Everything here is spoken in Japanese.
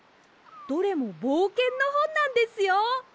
どれもぼうけんのほんなんですよ。